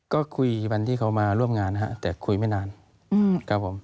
ก็คุยวันที่เขามาร่วมงานฮะแต่คุยไม่นานครับผม